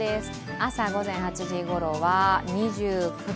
朝午前８時ごろは２９度。